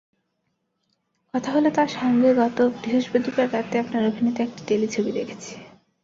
কথা হলো তাঁর সঙ্গেগত বৃহস্পতিবার রাতে আপনার অভিনীত একটি টেলিছবি দেখেছি।